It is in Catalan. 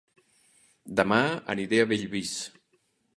Dema aniré a Bellvís